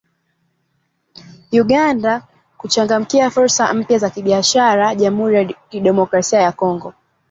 Uganda kuchangamkia fursa mpya za kibiashara jamhuri ya kidemokrasia ya Kongo